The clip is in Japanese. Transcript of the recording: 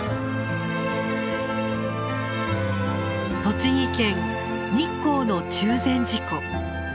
栃木県日光の中禅寺湖。